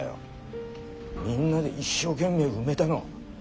みんなで一生懸命埋めたの。